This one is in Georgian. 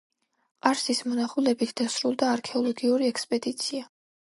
ყარსის მონახულებით დასრულდა არქეოლოგიური ექსპედიცია.